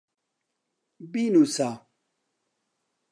بینووسە.